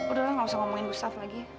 udah lah gak usah ngomongin gustaf lagi